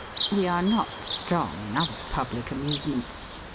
We are not strong in other public amusements.